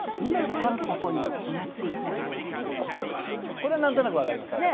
これ何となく分かります私も。